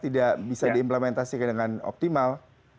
tidak bisa diimplementasikan dengan optimal